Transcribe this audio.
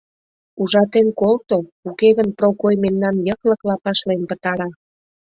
Ужатен колто, уке гын Прокой мемнам йыклык лапашлен пытара.